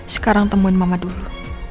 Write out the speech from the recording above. sekarang temuin mama dulu